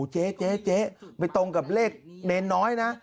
เจ๊ไปตรงกับเลขน้อยนะ